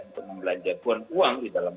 untuk membelanjakan uang di dalam